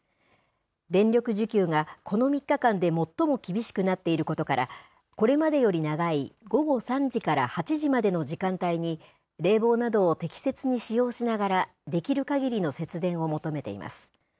電力需給がこの３日間で最も厳しくなっていることから、これまでより長い、午後３時から８時までの時間帯に冷房などを適切に使用しながら、できるかぎりの節電を求めています。